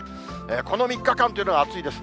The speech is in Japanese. この３日間というのは暑いです。